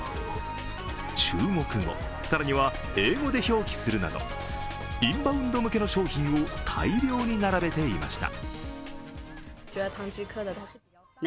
中国語、更には英語で表記するなどインバウンド向けの商品を大量に並べていました。